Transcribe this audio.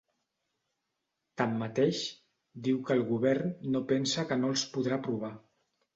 Tanmateix, diu que el govern no pensa que no els podrà aprovar.